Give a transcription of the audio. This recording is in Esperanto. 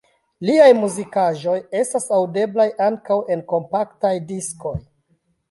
Liaj muzikaĵoj estas aŭdeblaj ankaŭ en kompaktaj diskoj.